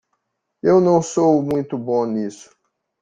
Eu não sou muito bom nisso.